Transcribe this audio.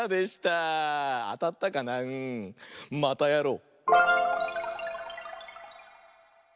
またやろう！